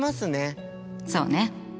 そうね。